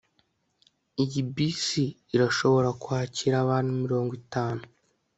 iyi bisi irashobora kwakira abantu mirongo itanu